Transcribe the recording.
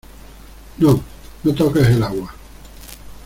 no, no toques el agua.